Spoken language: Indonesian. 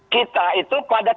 kita itu pada terima